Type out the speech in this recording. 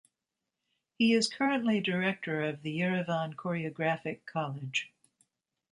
He is currently director of the Yerevan Choreographic College.